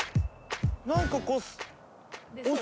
何かこう。